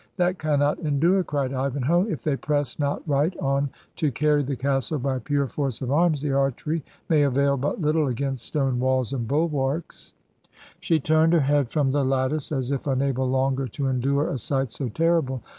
'That cannot en dure,' cried Ivanhoe. ' If they press not right on to carry the castle by pure force of arms, the archery may avail but Uttle against stone walls and bulwarks.' ... She turned her head from the lattice as if imable longer to endure a sight so terrible.